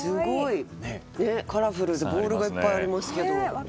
カラフルなボールがいっぱいありますけど。